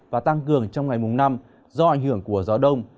và tăng cường trong ngày mùng năm do ảnh hưởng của gió đông